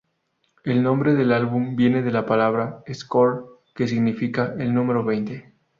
El nombre del álbum viene de la palabra "score", que significa el número veinte.